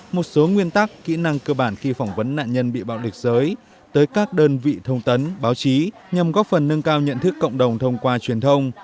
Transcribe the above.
một số nguyên tắc kỹ năng cơ bản khi phỏng vấn nạn nhân bị bạo lực giới tới các đơn vị thông tấn báo chí nhằm góp phần nâng cao nhận thức cộng đồng thông qua truyền thông